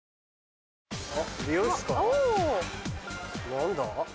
何だ？